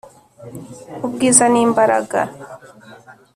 ubwiza ni imbaraga